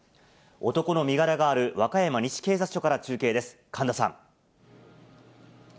男の身柄がある、和歌山西警察署から中継です、神田さん。